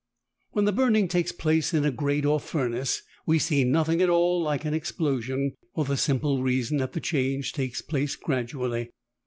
When the burning takes place in a grate or furnace we see nothing at all like an explosion, for the simple reason that the change takes place gradually.